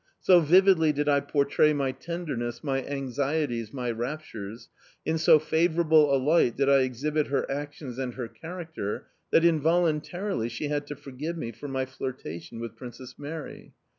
So vividly did I portray my tenderness, my anxieties, my raptures; in so favourable a light did I exhibit her actions and her character, that involuntarily she had to forgive me for my flirtation with Princess Mary.